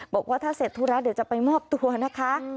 บอกว่าถ้าเสร็จธุระเดี๋ยวจะไปมอบตัวนะคะ